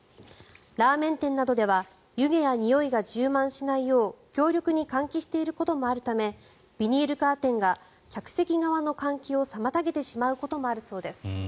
ラーメン店などでは湯気やにおいが充満しないよう強力に換気していることもあるためビニールカーテンが客席側の換気を妨げてしまうこともあるそうです。